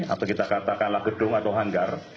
atau kita katakanlah gedung atau hanggar